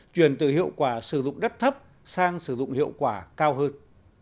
chuyển từ hiệu quả sử dụng đất thấp sang sử dụng hiệu quả cao hơn